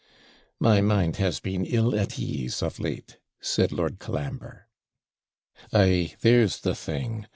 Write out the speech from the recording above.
'My mind has been ill at ease of late,' said Lord Colambre. 'Ay, there's the thing!